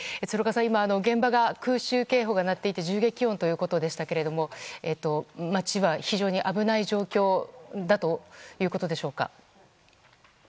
鶴岡さん、今、現場では空襲警報が鳴っていて銃撃音ということでしたけれども街は非常に危ない状況だということでしょうか。